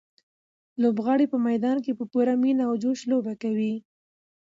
لوبغاړي په میدان کې په پوره مینه او جوش لوبه کوي.